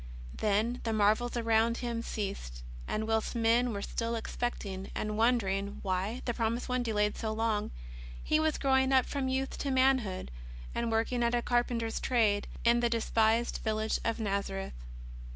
Then the marvels around Him ceased, and whilst men were still expecting, and wondering why the promised One delayed so long, He was growing up from youth to manhood, and work ing at a carpenter's trade in the despised village of Nazareth.